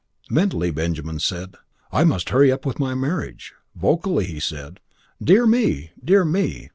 Mentally, Benjamin said: "I must hurry up with my marriage!" Vocally he said: "Dear me! Dear me!"